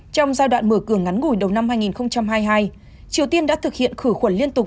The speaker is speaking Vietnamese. trong giai đoạn mở cửa ngắn ngủi đầu năm hai nghìn hai mươi hai triều tiên đã thực hiện khử khuẩn liên tục